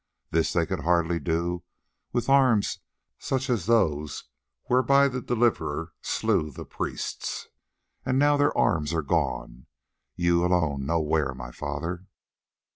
This they could hardly do with arms such as those whereby the Deliverer slew the priests, and now their arms are gone, you alone know where, my father."